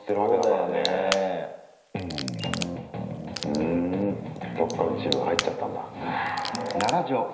うんどっかのチームが入っちゃったんだ。